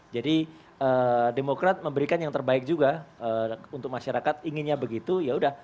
jadi demokrat memberikan yang terbaik juga untuk masyarakat inginnya begitu ya udah